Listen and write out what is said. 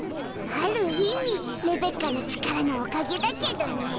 ある意味レベッカの力のおかげだけどね。